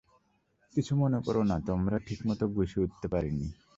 কিছু মনে কোরো না তোমরা, ঠিকমত গুছিয়ে উঠতে পারিনি।